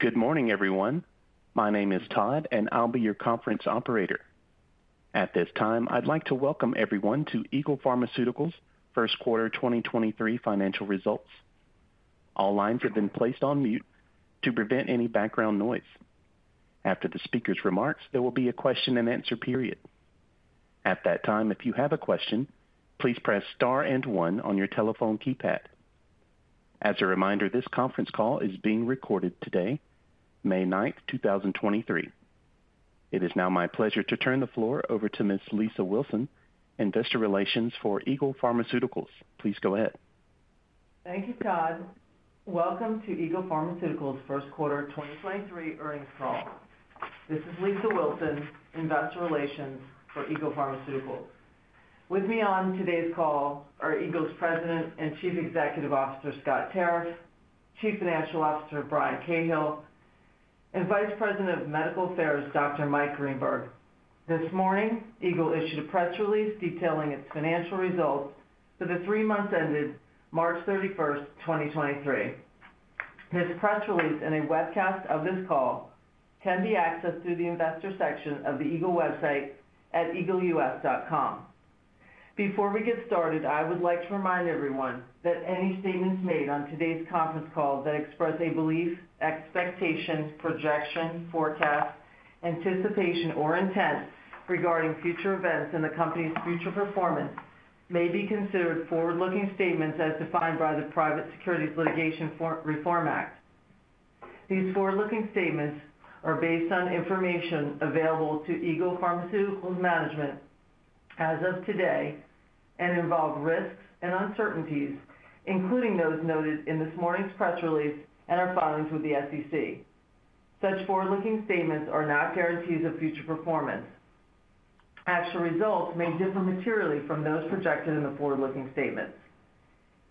Good morning, everyone. My name is Todd, and I'll be your conference Operator. At this time, I'd like to welcome everyone to Eagle Pharmaceuticals First Quarter 2023 Financial Results. All lines have been placed on mute to prevent any background noise. After the speaker's remarks, there will be a Question-and-Answer period. At that time, if you have a question, please press star and one on your telephone keypad. As a reminder, this conference call is being recorded today, May 9th, 2023. It is now my pleasure to turn the floor over to Ms. Lisa Wilson, Investor Relations for Eagle Pharmaceuticals. Please go ahead. Thank you, Todd. Welcome to Eagle Pharmaceuticals First Quarter 2023 Earnings Call. This is Lisa Wilson, Investor Relations for Eagle Pharmaceuticals. With me on today's call are Eagle's President and Chief Executive Officer, Scott Tarriff, Chief Financial Officer, Brian Cahill, and Vice President of Medical Affairs, Dr. Mike Greenberg. This morning, Eagle issued a Press Release detailing its Financial Results for the Three Months ended March 31st, 2023. This Press Release and a Webcast of this call can be accessed through the Investor Section of the Eagle website at eagleus.com. Before we get started, I would like to remind everyone that any statements made on today's conference call that express a belief, expectation, projection, forecast, anticipation, or intent regarding future events and the company's future performance may be considered Forward-Looking Statements as defined by the Private Securities Litigation Reform Act. These Forward-Looking Statements are based on information available to Eagle Pharmaceuticals management as of today and involve risks and uncertainties, including those noted in this morning's Press Release and our filings with the SEC. Such Forward-Looking Statements are not guarantees of future performance. Actual results may differ materially from those projected in the Forward-Looking Statements.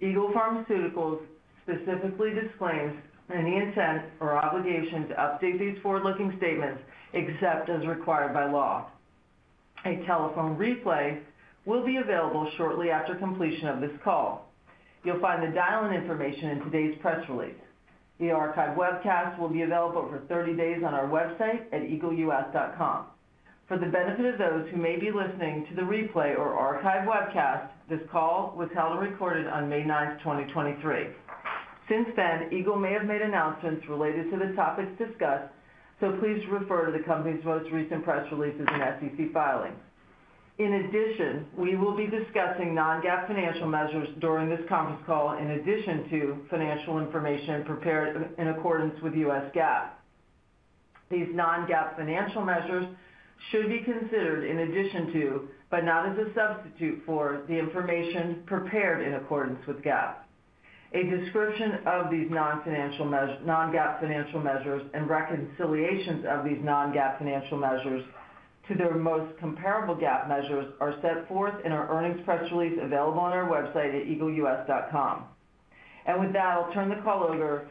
Eagle Pharmaceuticals specifically disclaims any intent or obligation to update these Forward-Looking Statements except as required by law. A telephone replay will be available shortly after completion of this call. You'll find the dial-in information in today's Press Release. The archive Webcast will be available for 30 days on our website at eagleus.com. For the benefit of those who may be listening to the Replay or archive Webcast, this call was held and recorded on May 9th, 2023. Eagle may have made announcements related to the topics discussed, so please refer to the company's most recent Press Releases and SEC Filings. We will be discussing Non-GAAP Financial Measures during this conference call in addition to financial information prepared in accordance with US GAAP. These non-GAAP financial measures should be considered in addition to, but not as a substitute for, the information prepared in accordance with GAAP. A description of these non-GAAP financial measures and reconciliations of these non-GAAP Financial Measures to their most comparable GAAP measures are set forth in our Earnings Press Release available on our website at eagleus.com. I'll turn the call over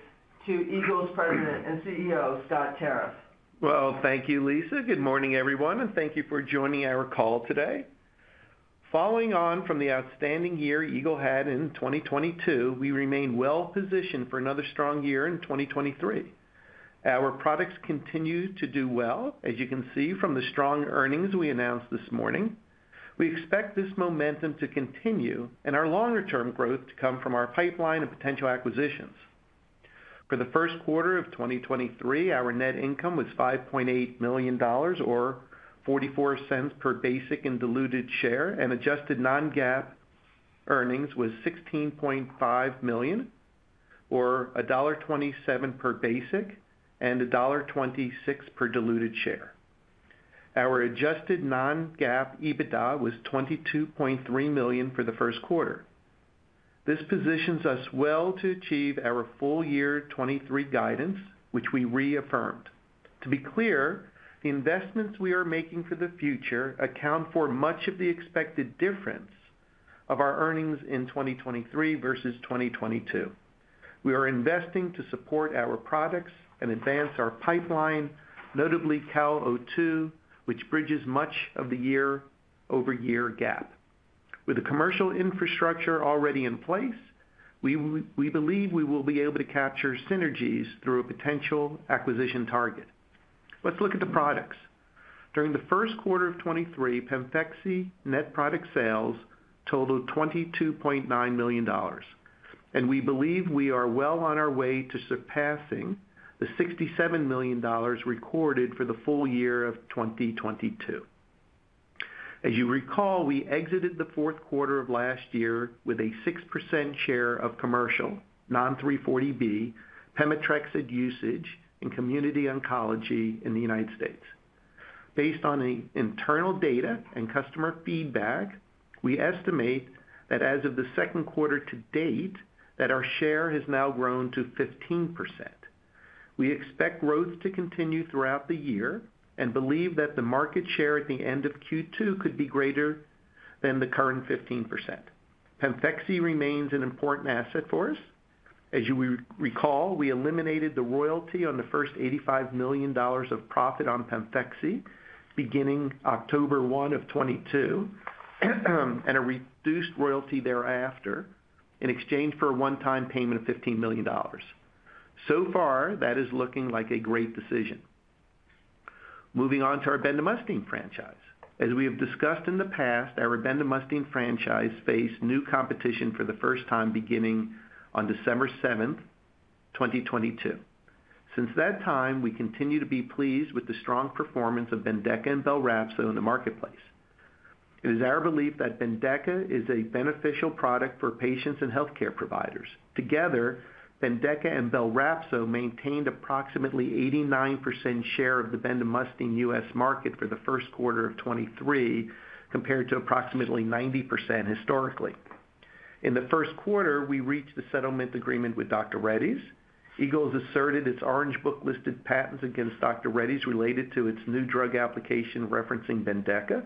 to Eagle's President and CEO, Scott Tarriff. Thank you, Lisa. Good morning, everyone, and thank you for joining our call today. Following on from the outstanding year Eagle had in 2022, we remain well positioned for another strong year in 2023. Our products continue to do well, as you can see from the strong earnings we announced this morning. We expect this momentum to continue and our longer-term growth to come from our pipeline of potential acquisitions. For the First Quarter of 2023, our Net Income was $5.8 million or $0.44 per basic and diluted share, and adjusted Non-GAAP Earnings was $16.5 million or $1.27 per basic and $1.26 per diluted share. Our Adjusted Non-GAAP EBITDA was $22.3 million for the First Quarter. This positions us well to achieve our full year 2023 Guidance, which we reaffirmed. To be clear, the investments we are making for the future account for much of the expected difference of our earnings in 2023 versus 2022. We are investing to support our products and advance our pipeline, notably CAL02, which bridges much of the year-over-year gap. With the Commercial Infrastructure already in place, we believe we will be able to capture synergies through a potential acquisition target. Let's look at the products. During the First Quarter PEMFEXY Net Product Sales totaled $22.9 million. We believe we are well on our way to surpassing the $67 million recorded for the full year of 2022. As you recall, we exited the fourth quarter of last year with a 6% share of Commercial Non-340B Pemetrexed usage in Community Oncology in the United States. Based on the internal data and customer feedback, we estimate that as of the second quarter to date, that our share has now grown to 15%. We expect growth to continue throughout the year and believe that the market share at the end of Q2 could be greater than the current 15%. PEMFEXY remains an important asset for us. As you would recall, we eliminated the Royalty on the first $85 million of profit on PEMFEXY beginning October 1, 2022, and a reduced Royalty thereafter. In exchange for a One-Time Payment of $15 million. So far, that is looking like a great decision. Moving on to our Bendamustine Franchise. As we have discussed in the past, our Bendamustine Franchise faced new competition for the first time beginning on December 7, 2022. Since that time, we continue to be pleased with the strong performance of Bendeka and BELRAPZO in the marketplace. It is our belief that Bendeka is a beneficial product for patients and healthcare providers. Together, Bendeka and BELRAPZO maintained approximately 89% share of the Bendamustine U.S. Market for the First Quarter of 2023, compared to approximately 90% historically. In the First Quarter, we reached the Settlement Agreement with Dr. Reddy's. Eagle has asserted its Orange Book listed patents against Dr. Reddy's related to its New Drug Application referencing Bendeka.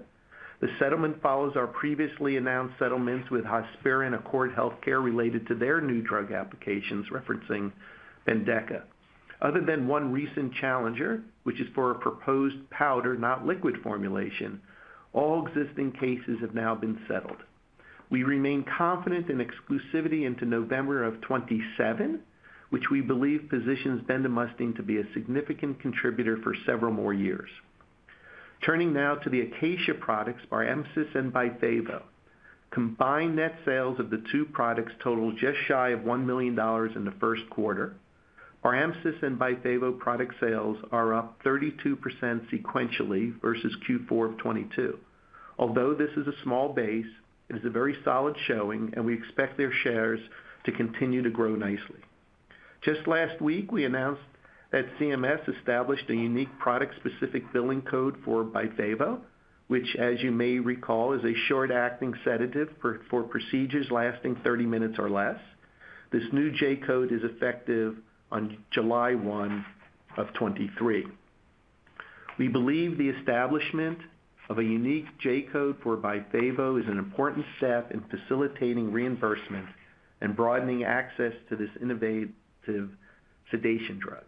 The settlement follows our previously announced settlements with Hospira and Accord Healthcare related to their new drug applications referencing Bendeka. Other than one recent challenger, which is for a proposed powder, not liquid formulation, all existing cases have now been settled. We remain confident in exclusivity into November of 27, which we believe positions Bendamustine to be a significant contributor for several more years. Turning now to the Acacia products, Barhemsys and Byfavo. Combined Net Sales of the two products totaled just shy of $1 million in the First Quarter. Barhemsys and Byfavo product sales are up 32% sequentially versus Q4 of '22. Although this is a small base, it is a very solid showing, and we expect their shares to continue to grow nicely. Just last week, we announced that CMS established a unique product-specific Billing Code for Byfavo, which, as you may recall, is a short-acting sedative for procedures lasting 30 minutes or less. This new J-code is effective on July 1 of '23. We believe the establishment of a unique J-Code for Byfavo is an important step in facilitating reimbursement and broadening access to this innovative sedation drug.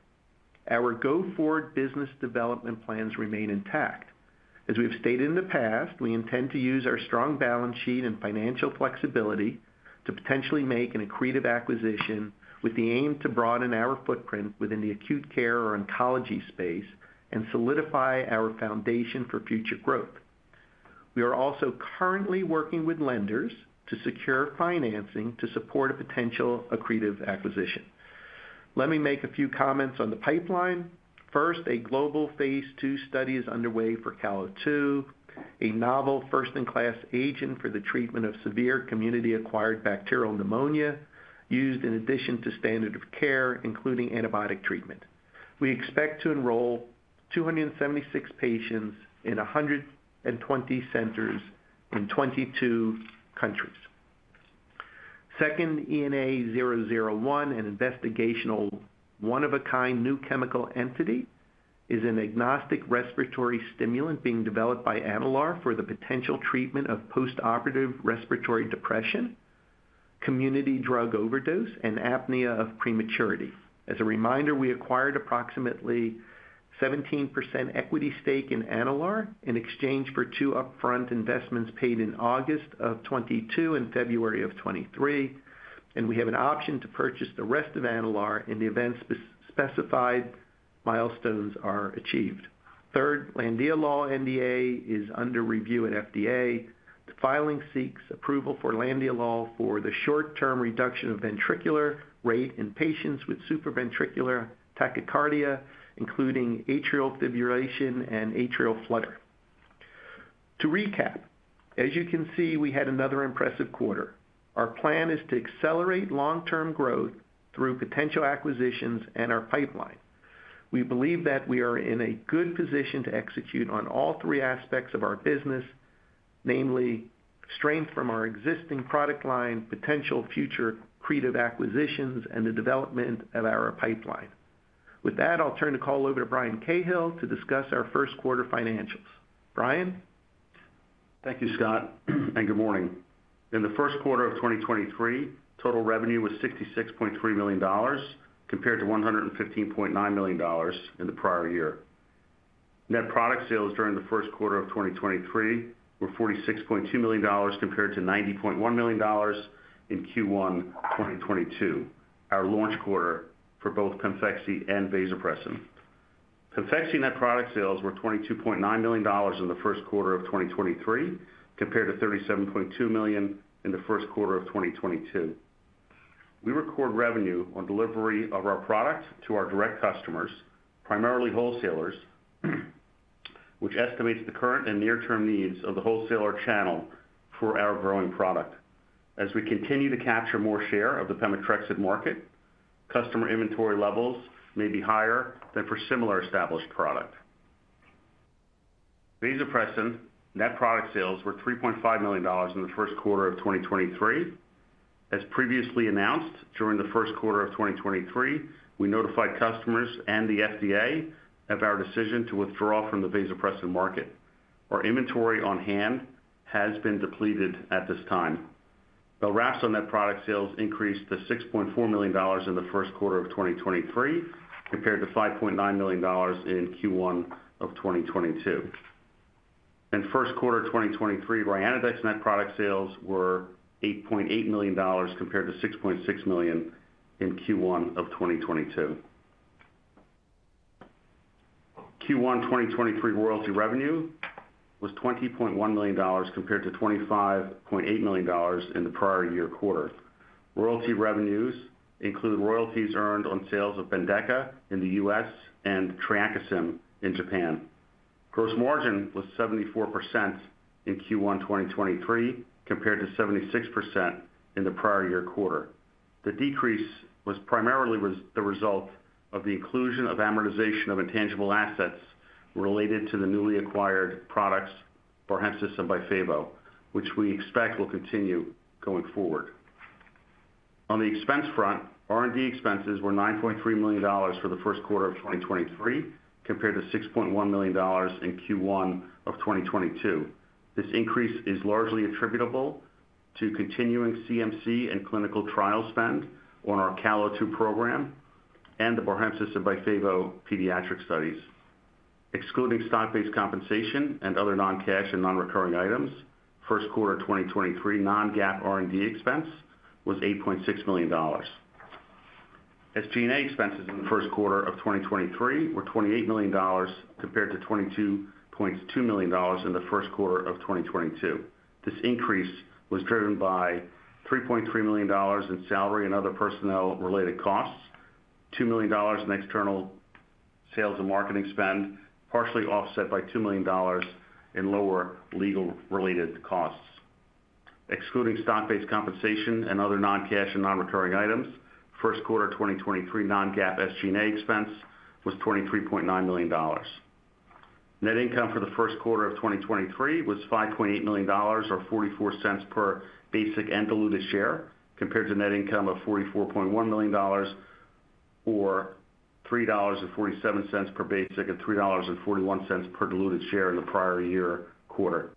Our go-forward Business Development plans remain intact. As we have stated in the past, we intend to use our strong Balance Sheet and Financial Flexibility to potentially make an Accretive Acquisition with the aim to broaden our footprint within the Acute Care or Oncology space and solidify our foundation for future growth. We are also currently working with lenders to secure Financing to support a potential Accretive Acquisition. Let me make a few comments on the Pipeline. First, a Global phase II Study is underway for CAL02, a novel First-In-Class agent for the treatment of Severe Community-Acquired Bacterial Pneumonia, used in addition to Standard of Care, including Antibiotic Treatment. We expect to enroll 276 Patients in 120 Centers in 22 Countries. Second, ENA-001, an investigational one-of-a-kind New Chemical Entity, is an agnostic Respiratory Stimulant being developed by Enalare for the potential treatment of Postoperative Respiratory Depression, Community Drug Overdose, and apnea of prematurity. As a reminder, we acquired approximately 17% Equity Stake in Enalare in exchange for two Upfront Investments paid in August of 2022 and February of 2023, and we have an option to purchase the rest of Enalare in the event specified milestones are achieved. Third, Landiolol NDA is under review at FDA. The filing seeks approval for Landiolol for the short-term reduction of Ventricular Rate in patients with Supraventricular Tachycardia, including Atrial Fibrillation and Atrial Flutter. To recap, as you can see, we had another impressive quarter. Our plan is to accelerate long-term growth through potential acquisitions and our Pipeline. We believe that we are in a good position to execute on all three aspects of our business, namely strength from our existing product line, potential future Accretive Acquisitions, and the development of our Pipeline. With that, I'll turn the call over to Brian Cahill to discuss our First Quarter Financials. Brian? Thank you, Scott, and good morning. In the First Quarter of 2023, Total Revenue was $66.3 million, compared to $115.9 million in the prior year. Net Product Sales during the First Quarter of 2023 were $46.2 million compared to $90.1 million in Q1, 2022, our launch quarter for both PEMFEXY PEMFEXY Net Product Sales were $22.9 million in the First Quarter of compared to $37.2 million in the First Quarter of 2022. we record Revenue on delivery of our product to our direct customers, primarily Wholesalers, which estimates the current and near-term needs of the Wholesaler Channel for our growing product. As we continue to capture more share of the Pemetrexed Market, customer Inventory Levels may be higher than for similar established product. Vasopressin Net Product Sales were $3.5 million in the First Quarter of 2023. As previously announced, during the First Quarter of 2023, we notified customers and the FDA of our decision to withdraw from the Vasopressin Market. Our Inventory on Hand has been depleted at this time. BELRAPZO Net Product Sales increased to $6.4 million in the First Quarter of 2023, compared to $5.9 million in Q1 of 2022. In First Quarter 2023, RYANODEX Net Product Sales were $8.8 million compared to $6.6 million in Q1 of 2022. Q1 2023 Royalty Revenue was $20.1 million compared to $25.8 million in the prior year quarter. Royalty Revenues include royalties earned on sales of Bendeka in the U.S. and TREAKISYM in Japan. Gross Margin was 74% in Q1 2023, compared to 76% in the prior year quarter. The decrease was primarily the result of the inclusion of Amortization of Intangible Assets related to the newly acquired products, Barhemsys and Byfavo, which we expect will continue going forward. On the expense front, R&D expenses were $9.3 million for the First Quarter 2023, compared to $6.1 million in Q1 2022. This increase is largely attributable to continuing CMC and Clinical Trial spend on our CAL02 Program and the Barhemsys and Byfavo Pediatric Studies. Excluding Stock-Based Compensation and other non-cash and non-recurring items, First Quarter 2023 non-GAAP R&D Expense was $8.6 million. SG&A expenses in the First Quarter of 2023 were $28 million compared to $22.2 million in the First Quarter of 2022. This increase was driven by $3.3 million in salary and other personnel-related costs, $2 million in external sales and marketing spend, partially offset by $2 million in lower legal-related costs. Excluding stock-based compensation and other non-cash and non-recurring items, First Quarter 2023 non-GAAP SG&A expense was $23.9 million. Net income for the First Quarter of 2023 was $5.8 million or $0.44 per basic and diluted share, compared to net income of $44.1 million or $3.47 per basic, and $3.41 per diluted share in the prior year quarter.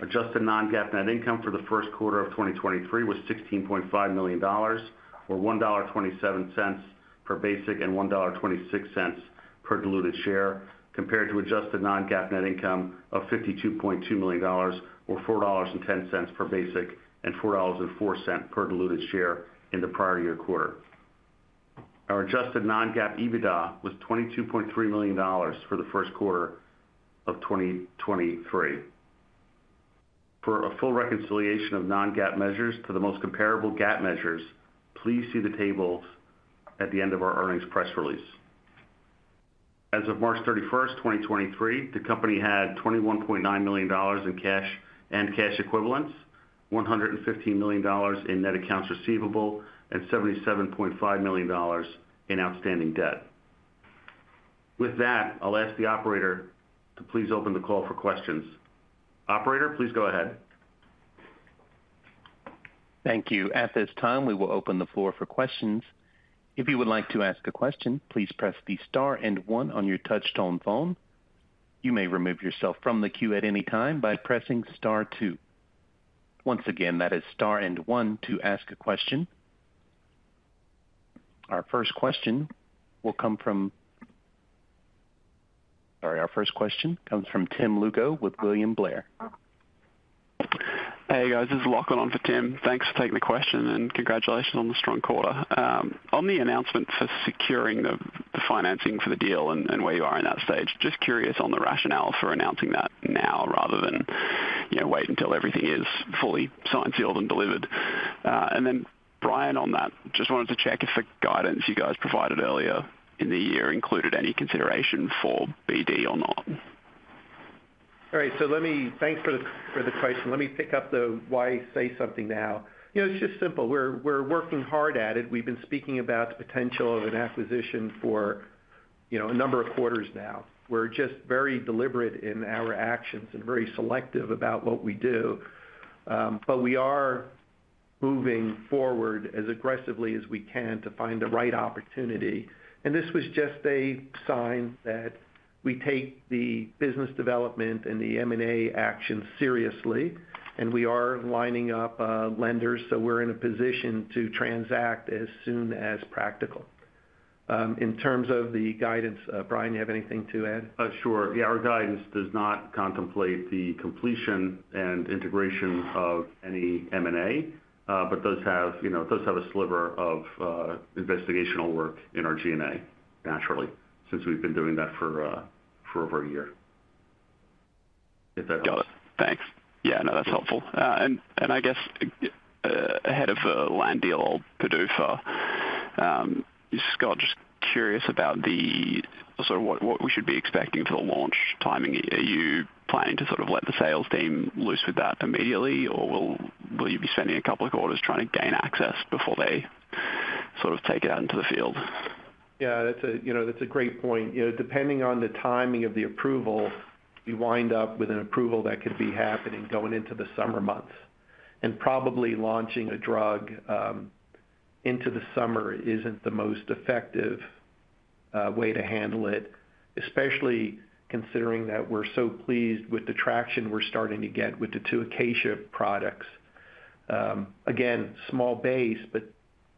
Adjusted Non-GAAP Net Income for the first quarter of 2023 was $16.5 million, or $1.27 per basic, and Adjusted Non-GAAP Net Income of $52.2 million or $4.10 per basic and $4.04 per diluted share in the prior year quarter. Our adjusted non-GAAP EBITDA was $22.3 million for the First Quarter of 2023. For a full reconciliation of non-GAAP measures to the most comparable GAAP measures, please see the tables at the end of our earnings press release. As of March 31st, 2023, the company had $21.9 million in cash and cash equivalents, $115 million in Net Accounts Receivable, and $77.5 million in outstanding debt. With that, I'll ask the operator to please open the call for questions. Operator, please go ahead. Thank you. At this time, we will open the floor for questions. If you would like to ask a question, please press the star and one on your touch tone phone. You may remove yourself from the queue at any time by pressing star two. Once again, that is star and one to ask a question. Our first question comes from Tim Lugo with William Blair. Hey, guys, this is Lachlan on for Tim. Thanks for taking the question, and congratulations on the strong quarter. On the announcement for securing the Financing for the deal and where you are in that stage, just curious on the rationale for announcing that now rather than, you know, wait until everything is fully signed, sealed and delivered. Brian, on that, just wanted to check if the Guidance you guys provided earlier in the year included any consideration for BD or not. All right. Thanks for the, for the question. Let me pick up the why say something now. You know, it's just simple. We're working hard at it. We've been speaking about the potential of an Acquisition for, you know, a number of quarters now. We're just very deliberate in our actions and very selective about what we do. We are moving forward as aggressively as we can to find the right opportunity. This was just a sign that we take the Business Development and the M&A action seriously, and we are lining up lenders, so we're in a position to transact as soon as practical. In terms of the Guidance, Brian, you have anything to add? Sure. Our Guidance does not contemplate the completion and integration of any M&A, but does have, you know, does have a sliver of investigational work in our G&A, naturally, since we've been doing that for over a year. If that helps. Got it. Thanks. Yeah, no, that's helpful. I guess ahead of the Landiolol PDUFA, Scott, just curious about the sort of what we should be expecting for the launch timing. Are you planning to sort of let the Sales Team loose with that immediately, or will you be spending a couple of quarters trying to gain access before they sort of take it out into the field? Yeah, that's a, you know, that's a great point. You know, depending on the timing of the approval, we wind up with an approval that could be happening going into the summer months. Probably launching a drug into the summer isn't the most effective way to handle it, especially considering that we're so pleased with the traction we're starting to get with the two Acacia products. Again, small base, but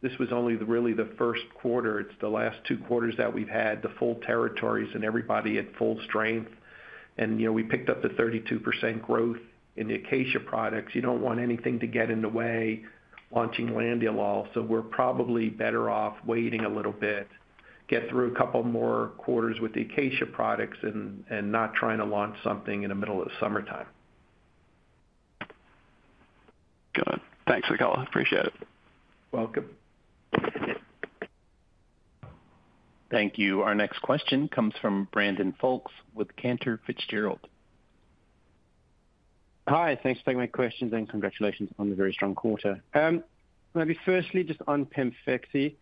this was only the really the first quarter. It's the last two quarters that we've had, the full territories and everybody at full strength. You know, we picked up the 32% growth in the Acacia products. You don't want anything to get in the way launching Landiolol. We're probably better off waiting a little bit, get through a couple more quarters with the Acacia products and not trying to launch something in the middle of the summertime. Got it. Thanks, Scott. Appreciate it. Welcome. Thank you. Our next question comes from Brandon Folkes with Cantor Fitzgerald. Hi. Thanks for taking my questions. Congratulations on the very strong quarter. Maybe firstly, just on PEMFEXY,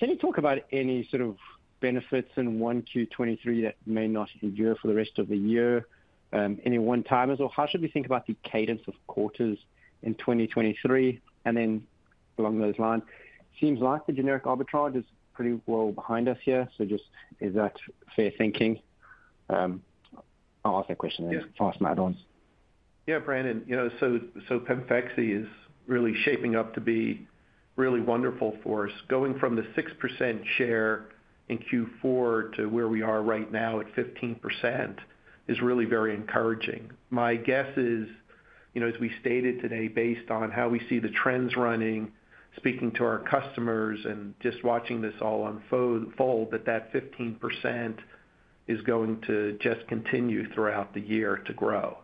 can you talk about any sort of benefits in 1Q 2023 that may not endure for the rest of the year, any one-timers? How should we think about the cadence of quarters in 2023? Along those lines, seems like the generic arbitrage is pretty well behind us here. Just is that fair thinking? I'll ask that question then. Yeah. Ask some add-ons. Brandon, you know, PEMFEXY is really shaping up to be really wonderful for us. Going from the 6% share in Q4 to where we are right now at 15% is really very encouraging. My guess is, you know, as we stated today, based on how we see the trends running, speaking to our customers and just watching this all unfold, that that 15% is going to just continue throughout the year to grow.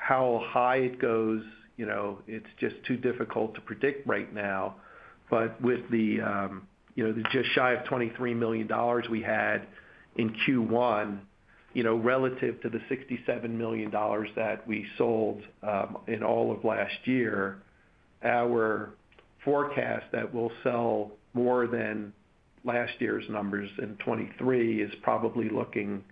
How high it goes, you know, it's just too difficult to predict right now. With the, you know, the just shy of $23 million we had in Q1, you know, relative to the $67 million that we sold in all of last year, our forecast that we'll sell more than last year's numbers in 2023 is probably looking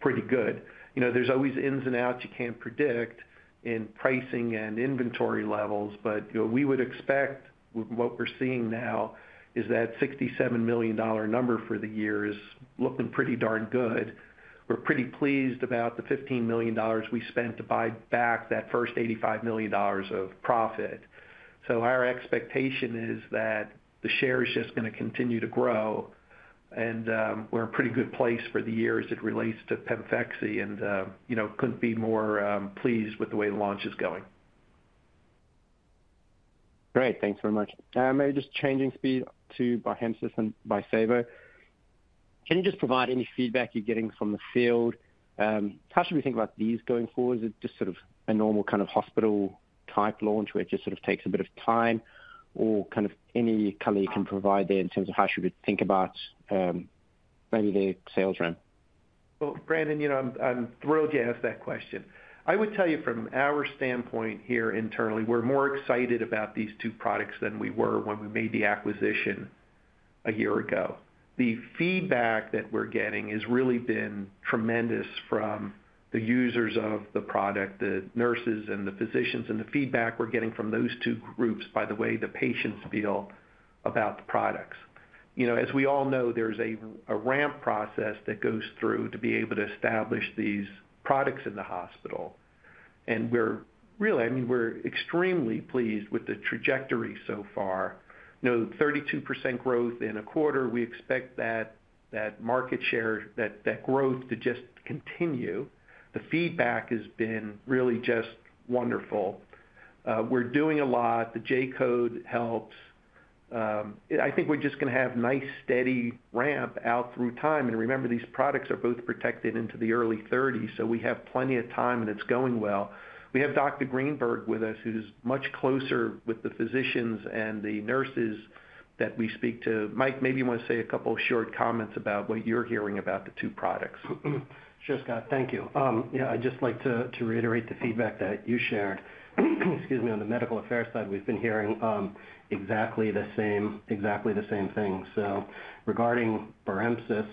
pretty good. You know, there's always ins and outs you can't predict in pricing and inventory levels, you know, we would expect what we're seeing now is that $67 million number for the year is looking pretty darn good. We're pretty pleased about the $15 million we spent to buy back that first $85 million of profit. Our expectation is that the share is just gonna continue to grow, and we're in a pretty good place for the year as it relates to PEMFEXY and, you know, couldn't be more pleased with the way the launch is going. Great. Thanks very much. Maybe just changing speed to Barhemsys and Byfavo, can you just provide any feedback you're getting from the field? How should we think about these going forward? Is it just sort of a normal kind of hospital-type launch where it just sort of takes a bit of time or kind of any color you can provide there in terms of how should we think about, maybe the sales rep? Well, Brandon, you know, I'm thrilled you asked that question. I would tell you from our standpoint here internally, we're more excited about these two products than we were when we made the acquisition a year ago. The feedback that we're getting has really been tremendous from the users of the product, the nurses and the physicians, and the feedback we're getting from those two groups, by the way the patients feel about the products. You know, as we all know, there's a ramp process that goes through to be able to establish these products in the hospital. I mean, we're extremely pleased with the trajectory so far. You know, 32% growth in a quarter, we expect that market share, that growth to just continue. The feedback has been really just wonderful. We're doing a lot. The J-Code helps. I think we're just gonna have nice steady ramp out through time. Remember, these products are both protected into the early 30s, so we have plenty of time, and it's going well. We have Dr. Greenberg with us, who's much closer with the physicians and the nurses that we speak to. Mike, maybe you want to say a couple short comments about what you're hearing about the two products. Sure, Scott. Thank you. I'd just like to reiterate the feedback that you shared, excuse me, on the medical affairs side, we've been hearing exactly the same thing. Regarding Barhemsys,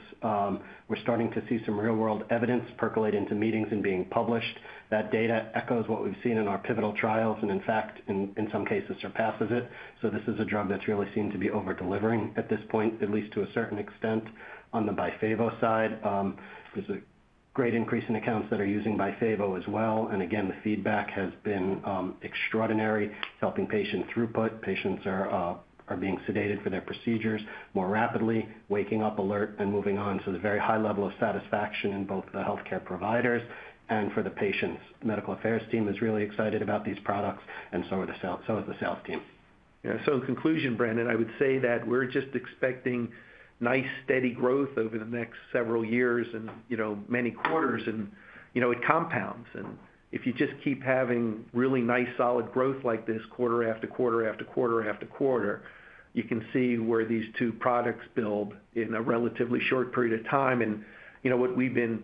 we're starting to see some real-world evidence percolate into meetings and being published. That data echoes what we've seen in our pivotal trials and in fact, in some cases surpasses it. This is a drug that's really seemed to be over-delivering at this point, at least to a certain extent. On the Byfavo side, there's a great increase in accounts that are using Byfavo as well. Again, the feedback has been extraordinary, helping patient throughput. Patients are being sedated for their procedures more rapidly, waking up alert and moving on. There's a very high level of satisfaction in both the healthcare providers and for the patients. Medical affairs team is really excited about these products and so is the sales team. In conclusion, Brandon, I would say that we're just expecting nice, steady growth over the next several years and, you know, many quarters and, you know, it compounds. If you just keep having really nice, solid growth like this quarter-after-quarter-after-quarter-after-quarter, you can see where these two products build in a relatively short period of time. You know what we've been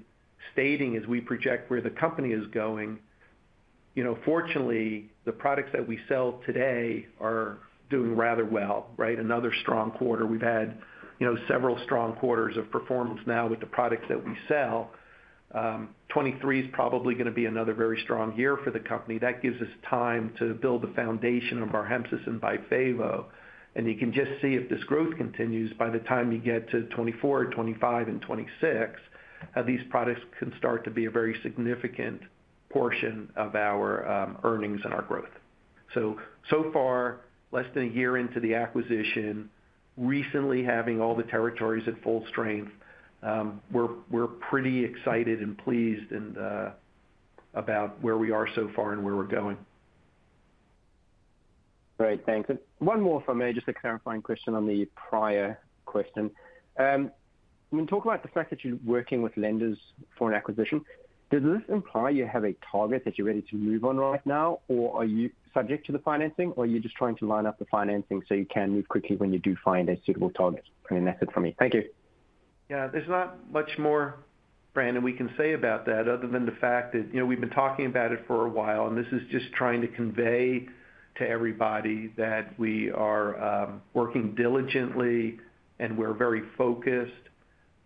stating as we project where the company is going, you know, fortunately, the products that we sell today are doing rather well, right? Another strong quarter. We've had, you know, several strong quarters of performance now with the products that we sell. 2023 is probably gonna be another very strong year for the company. That gives us time to build the foundation of Barhemsys and Byfavo. You can just see if this growth continues by the time you get to 2024, 2025 and 2026, how these products can start to be a very significant portion of our earnings and our growth. So far, less than a year into the acquisition, recently having all the territories at full strength, we're pretty excited and pleased and about where we are so far and where we're going. Great. Thanks. One more, if I may, just a clarifying question on the prior question. When you talk about the fact that you're working with lenders for an acquisition, does this imply you have a target that you're ready to move on right now, or are you subject to the financing, or are you just trying to line up the financing so you can move quickly when you do find a suitable target? An asset for me. Thank you. There's not much more, Brandon, we can say about that other than the fact that, you know, we've been talking about it for a while, and this is just trying to convey to everybody that we are working diligently and we're very focused.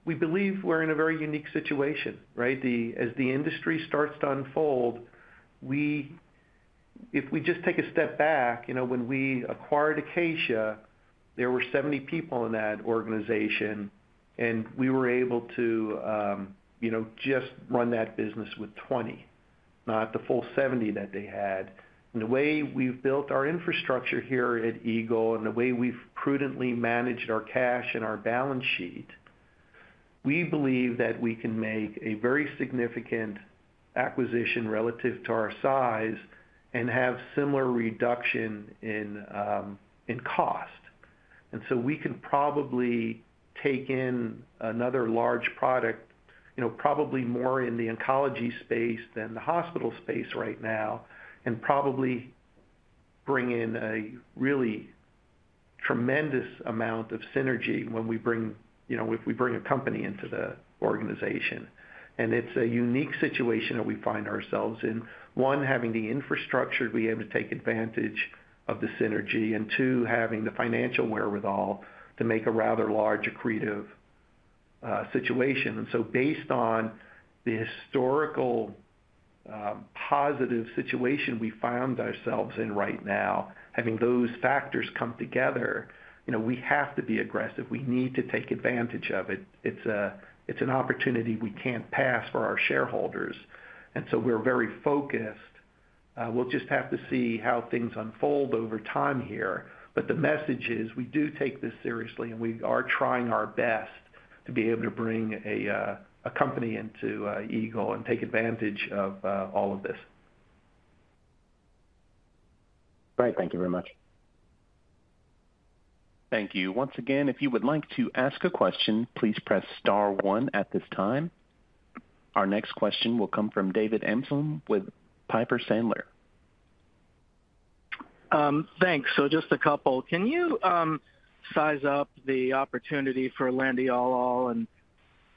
We believe we're in a very unique situation, right? As the industry starts to unfold, if we just take a step back, you know, when we acquired Acacia, there were 70 people in that organization, and we were able to, you know, just run that business with 20, not the full 70 that they had. The way we've built our infrastructure here at Eagle and the way we've prudently managed our cash and our balance sheet, we believe that we can make a very significant acquisition relative to our size and have similar reduction in cost. We can probably take in another large product, you know, probably more in the oncology space than the hospital space right now, and probably bring in a really tremendous amount of synergy when we bring, you know, if we bring a company into the organization. It's a unique situation that we find ourselves in, one, having the infrastructure to be able to take advantage of the synergy, and two, having the financial wherewithal to make a rather large accretive situation. Based on the historical positive situation we found ourselves in right now, having those factors come together, you know, we have to be aggressive. We need to take advantage of it. It's a, it's an opportunity we can't pass for our shareholders. We're very focused. We'll just have to see how things unfold over time here. The message is, we do take this seriously, and we are trying our best to be able to bring a company into Eagle and take advantage of all of this. Great. Thank you very much. Thank you. Once again, if you would like to ask a question, please press star 1 at this time. Our next question will come from David Amsellem with Piper Sandler. Thanks. Just a couple. Can you size up the opportunity for landiolol and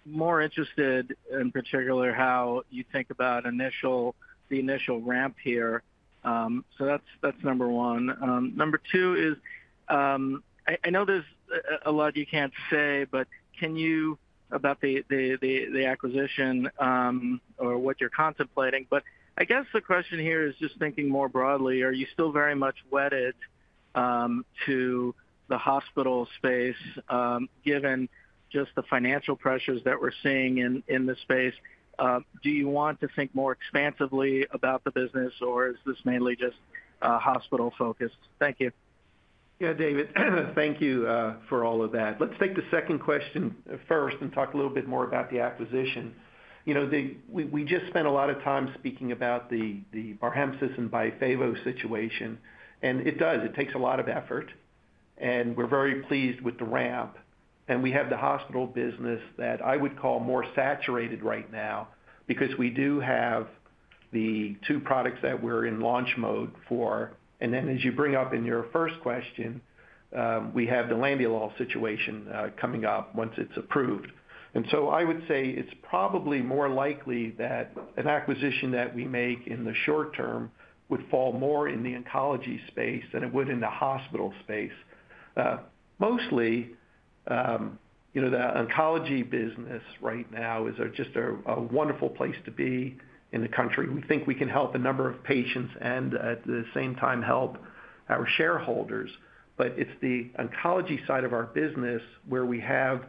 more interested in particular how you think about the initial ramp here? That's number one. Number two is, I know there's a lot you can't say about the acquisition, or what you're contemplating, but I guess the question here is just thinking more broadly. Are you still very much wedded to the hospital space, given just the financial pressures that we're seeing in the space? Do you want to think more expansively about the business, or is this mainly just hospital-focused? Thank you. David, thank you for all of that. Let's take the second question first and talk a little bit more about the acquisition. You know, we just spent a lot of time speaking about the Barhemsys and Byfavo situation, and it does, it takes a lot of effort, and we're very pleased with the ramp. We have the hospital business that I would call more saturated right now because we do have the two products that we're in launch mode for. Then as you bring up in your first question, we have the landiolol situation coming up once it's approved. So I would say it's probably more likely that an acquisition that we make in the short term would fall more in the Oncology Space than it would in the hospital space. Mostly, you know, the Oncology business right now is a, just a wonderful place to be in the country. We think we can help a number of patients and at the same time help our shareholders. It's the Oncology side of our business where we have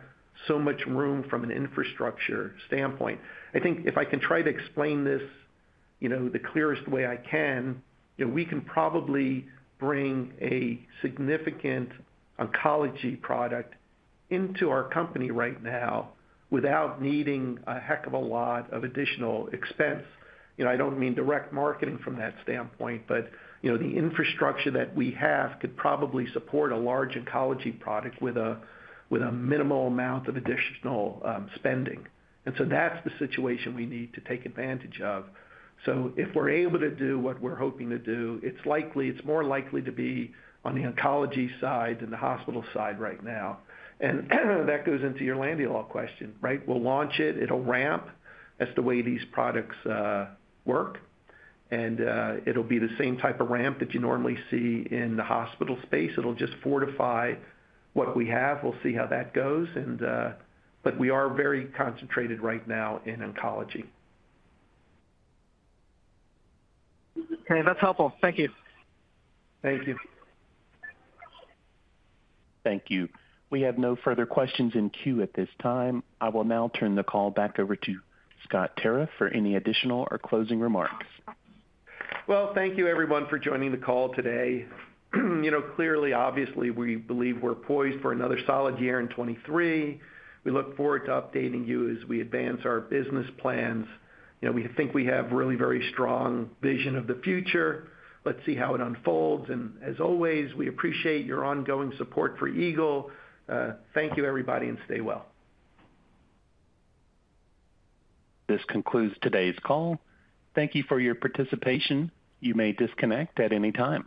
so much room from an Infrastructure standpoint. I think if I can try to explain this, you know, the clearest way I can, you know, we can probably bring a significant Oncology product into our company right now without needing a heck of a lot of additional expense. You know, I don't mean direct marketing from that standpoint, but, you know, the Infrastructure that we have could probably support a large Oncology product with a minimal amount of additional spending. That's the situation we need to take advantage of. If we're able to do what we're hoping to do, it's likely, it's more likely to be on the Oncology side than the hospital side right now. That goes into your Landiolol question, right? We'll launch it. It'll ramp. That's the way these products work. It'll be the same type of ramp that you normally see in the hospital space. It'll just fortify what we have. We'll see how that goes. But we are very concentrated right now in Oncology. Okay, that's helpful. Thank you. Thank you. Thank you. We have no further questions in queue at this time. I will now turn the call back over to Scott Tarriff for any additional or closing remarks. Well, thank you everyone for joining the call today. You know, clearly, obviously, we believe we're poised for another solid year in 2023. We look forward to updating you as we advance our business plans. You know, we think we have really very strong vision of the future. Let's see how it unfolds. As always, we appreciate your ongoing support for Eagle. Thank you, everybody, and stay well. This concludes today's call. Thank you for your participation. You may disconnect at any time.